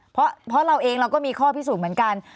เพราะเราเองเราก็มีข้อพิสูจน์เหมือนกัน